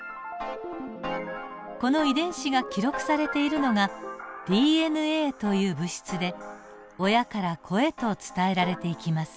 この遺伝子が記録されているのがＤＮＡという物質で親から子へと伝えられていきます。